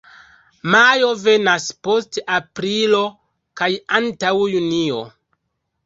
Majo venas post aprilo kaj antaŭ junio.